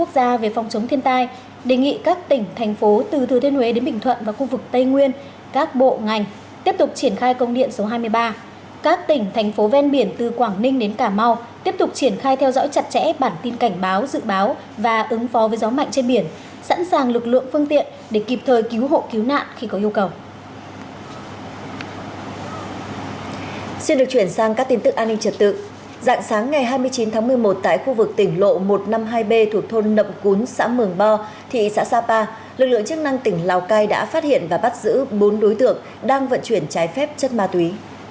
dạng sáng ngày hai mươi chín tháng một mươi một tại khu vực tỉnh lộ một trăm năm mươi hai b thuộc thôn nậm cún xã mường bo thị xã sapa lực lượng chức năng tỉnh lào cai đã phát hiện và bắt giữ bốn đối tượng đang vận chuyển trái phép chất ma túy